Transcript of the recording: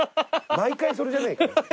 毎回それじゃねえかよ。